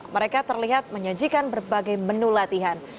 mereka terlihat menyajikan berbagai menu latihan